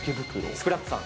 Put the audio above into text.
スクラップさん。